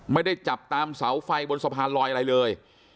ไม่ได้จับตามเสาไฟบนสะพานลอยอะไรเลย